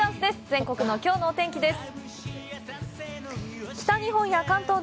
全国のきょうのお天気です。